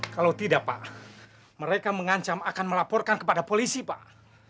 kalau tidak pak mereka mengancam akan melaporkan kepada polisi pak